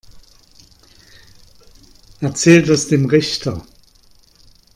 Erzähl das dem Richter.